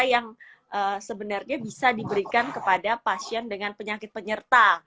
yang sebenarnya bisa diberikan kepada pasien dengan penyakit penyerta